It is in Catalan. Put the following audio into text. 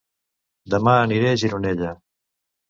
Dema aniré a Gironella